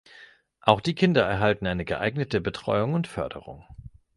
Auch die Kinder erhalten eine geeignete Betreuung und Förderung.